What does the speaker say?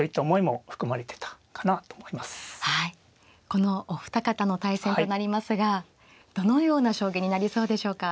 このお二方の対戦となりますがどのような将棋になりそうでしょうか。